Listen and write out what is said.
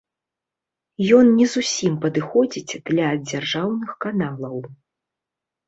Ён не зусім падыходзіць для дзяржаўных каналаў.